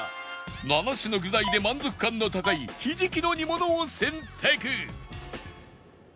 ７種の具材で満足感の高いひじきの煮物を選択